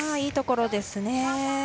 いいところですね。